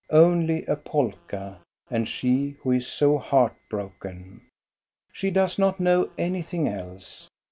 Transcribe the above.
Only a polka, and she who is so heart broken ! She does not know anything else.